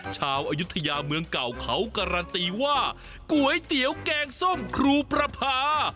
อายุทยาเมืองเก่าเขาการันตีว่าก๋วยเตี๋ยวแกงส้มครูประพา